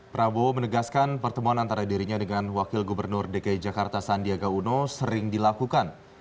prabowo menegaskan pertemuan antara dirinya dengan wakil gubernur dki jakarta sandiaga uno sering dilakukan